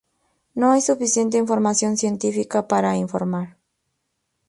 No hay suficiente información científica para informar.